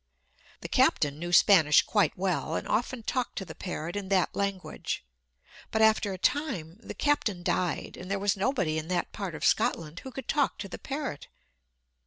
The captain knew Spanish quite well, and often talked to the parrot in that language. But after a time the captain died, and there was nobody in that part of Scotland who could talk to the parrot.